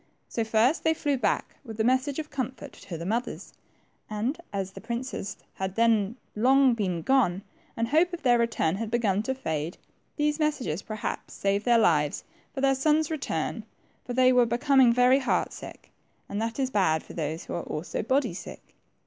So Ikst they flew back with the message of comfort to their mothers, and as the princes had then long been gone, and hope of their ^return had begun to fade, these messages, perhaps, saved their lives for their sons' return, for they were THE TWO PRINCES. 99 becoming very heart sick, and that is bad for those who are also body sick.